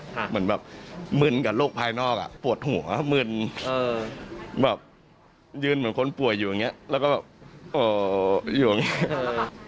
เหมือนแบบมึนกับโรคภายนอกอ่ะปวดหัวมึนแบบยืนเหมือนคนป่วยอยู่อย่างเงี้ยแล้วก็แบบอยู่อย่างเงี้ย